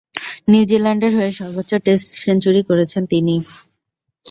নিউজিল্যান্ডের হয়ে সর্বোচ্চ টেস্ট সেঞ্চুরি করেছেন তিনি।